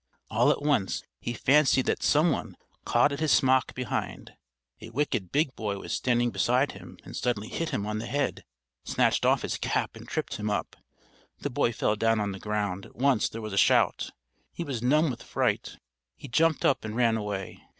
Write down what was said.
All at once he fancied that some one caught at his smock behind: a wicked big boy was standing beside him and suddenly hit him on the head, snatched off his cap and tripped him up. The boy fell down on the ground, at once there was a shout, he was numb with fright, he jumped up and ran away.